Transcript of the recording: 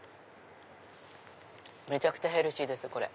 めちゃくちゃヘルシーですこれ。